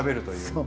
そう。